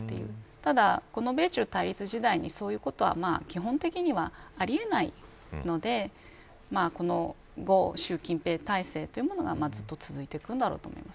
ただ、この米中対立時代にそういうことは基本的にはありえないので習近平体制がずっと続いていくんだろうと思います。